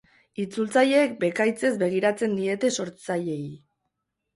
Itzultzaileek bekaitzez begiratzen diete sortzaileei.